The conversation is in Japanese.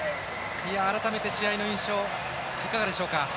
改めて、試合の印象いかがでしょうか？